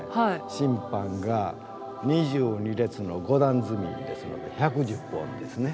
「審判」が２２列の５段積みですので１１０本ですね。